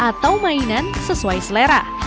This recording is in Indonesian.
atau mainan sesuai selera